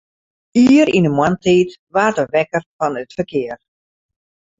Ier yn 'e moarntiid waard er wekker fan it ferkear.